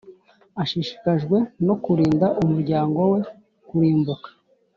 ashishikajwe no kurinda umuryango we kurimbuka,